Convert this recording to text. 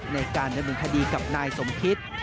ในการนำหนึ่งคดีกับนายสมคิด